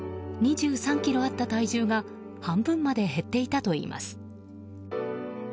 ２３ｋｇあった体重が半分まで減っていたといいます。